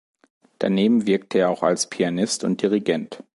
Daneben wirkte er auch als Pianist und Dirigent.